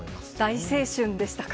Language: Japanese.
大青春でしたか。